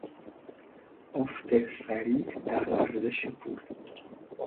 افت سریع در ارزش پول